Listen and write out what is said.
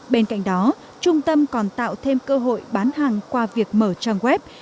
bên cạnh đó trung tâm còn tạo thêm cơ hội bán hàng qua việc mở trang web